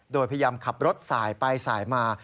โดยพยายามขับรถสายไปสายมา